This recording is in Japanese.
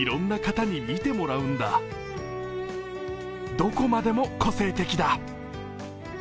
どこまでも個性的だ。